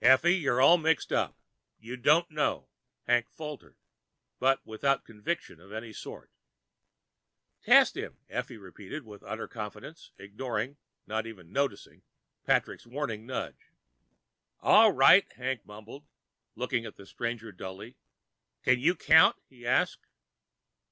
"Effie, you're all mixed up. You don't know " Hank faltered, but without conviction of any sort. "Just test him," Effie repeated with utter confidence, ignoring not even noticing Patrick's warning nudge. "All right," Hank mumbled. He looked at the stranger dully. "Can you count?" he asked.